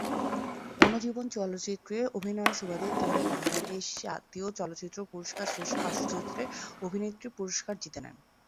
অন্য জীবন চলচ্চিত্রে অভিনয়ের সুবাদে তিনি বাংলাদেশ জাতীয় চলচ্চিত্র পুরস্কার শ্রেষ্ঠ পার্শ্বচরিত্রে অভিনেত্রী পুরস্কার জিতে নেন।